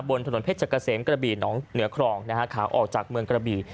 บนถนนเพชรเกษมกระบี่หนองเหนือครองนะฮะขาออกจากเมืองกระบี่